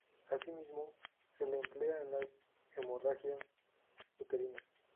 Asimismo, se le emplea en las hemorragias uterinas.